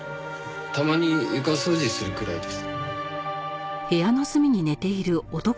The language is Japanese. たまに床掃除するくらいです。